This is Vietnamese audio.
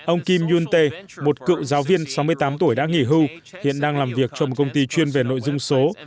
ông kim yoonte một cựu giáo viên sáu mươi tám tuổi đã nghỉ hưu hiện đang làm việc trong một công ty chuyên về nội dung số